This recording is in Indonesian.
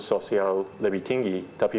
sosial lebih tinggi tapi